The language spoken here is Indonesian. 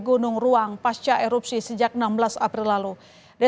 gunung ruang masih di level empat siaga